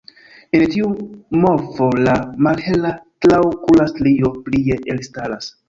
En tiu morfo la malhela traokula strio plie elstaras.